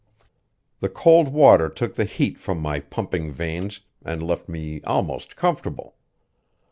The cold water took the heat from my pumping veins and left me almost comfortable.